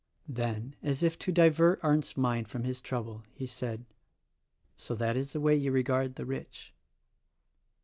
Then, as if to divert Arndt's mind from his trouble he said, "So that is the way you regard the rich?"